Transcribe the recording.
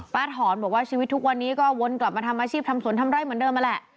ถอนบอกว่าชีวิตทุกวันนี้ก็วนกลับมาทำอาชีพทำสวนทำไร่เหมือนเดิมนั่นแหละ